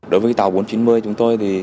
đối với tàu bốn trăm chín mươi chúng tôi